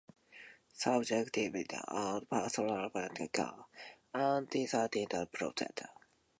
Subjectivity and personal experiences may carry more weight in discussions and decision-making processes.